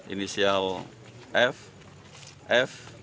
inisial f f